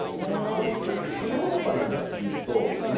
どっちかっていうとヨーロッパなんか見ると高いんですね。